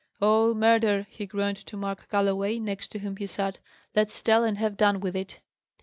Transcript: "Oh, murder!" he groaned to Mark Galloway, next to whom he sat: "let's tell, and have done with it."